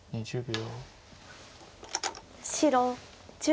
２０秒。